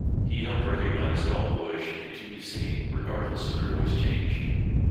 He helped recognize that all boys should continue singing regardless of their voice change.